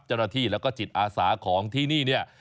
จรฐีแล้วก็จิตอาสาของที่นี่